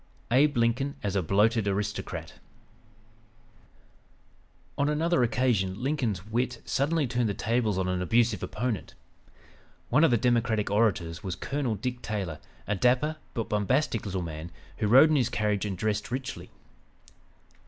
ABE LINCOLN AS A "BLOATED ARISTOCRAT" On another occasion Lincoln's wit suddenly turned the tables on an abusive opponent. One of the Democratic orators was Colonel Dick Taylor, a dapper, but bombastic little man, who rode in his carriage, and dressed richly.